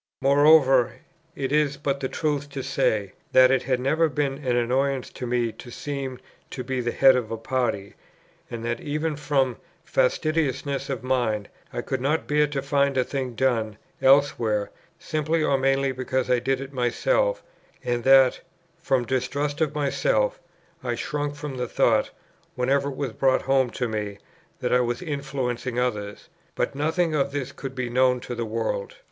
Moreover, it is but the truth to say, that it had ever been an annoyance to me to seem to be the head of a party; and that even from fastidiousness of mind, I could not bear to find a thing done elsewhere, simply or mainly because I did it myself, and that, from distrust of myself, I shrank from the thought, whenever it was brought home to me, that I was influencing others. But nothing of this could be known to the world.